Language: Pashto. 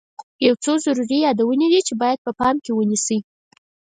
یو څو ضروري یادونې دي چې باید په پام کې ونیسئ.